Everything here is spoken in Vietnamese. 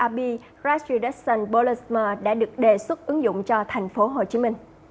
ras reduction polymer đã được đề xuất ứng dụng cho tp hcm